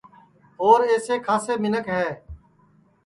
اور اِیسے کھاسے منکھ ہے